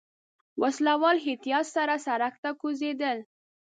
وسله والو احتياط سره سړک ته کوزېدل.